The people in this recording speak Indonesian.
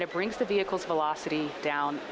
dari kecepatan kapal terbang